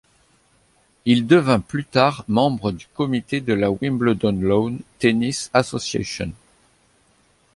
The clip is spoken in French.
Il devint plus tard membre du comité de la Wimbledon Lawn Tennis Association.